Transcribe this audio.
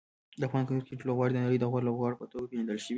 د افغان کرکټ لوبغاړي د نړۍ د غوره لوبغاړو په توګه پېژندل شوي دي.